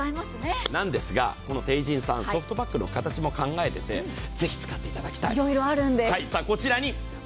なんですが、このＴＥＩＪＩＮさん、ソフトパックの使い方も考えていて、ぜひ使っていただきたい。